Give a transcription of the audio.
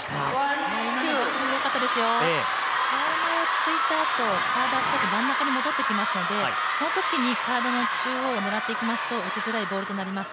突いた後少し真ん中に戻ってきましたので、そのときに体の中央を狙っていきますと打ちづらいボールになります。